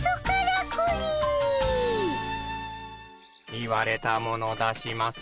言われたもの出します。